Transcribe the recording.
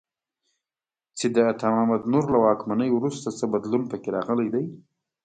چې د عطا محمد نور له واکمنۍ وروسته څه بدلون په کې راغلی دی.